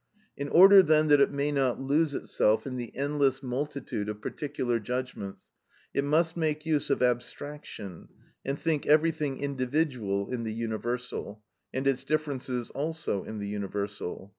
In order then that it may not lose itself in the endless multitude of particular judgments, it must make use of abstraction and think everything individual in the universal, and its differences also in the universal.